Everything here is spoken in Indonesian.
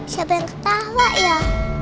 siapa yang ketawa ya